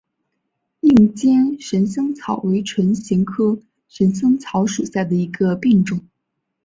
硬尖神香草为唇形科神香草属下的一个变种。